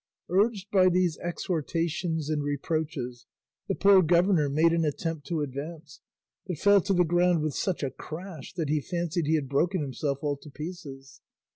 Urged by these exhortations and reproaches the poor governor made an attempt to advance, but fell to the ground with such a crash that he fancied he had broken himself all to pieces.